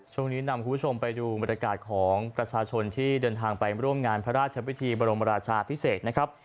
ช่วงนี้นำคุณผู้ชมไปดูบรรยากาศของประชาชนที่เดินทางไปร่วมงานพระราชพิธีบรมราชาพิเศษนะครับ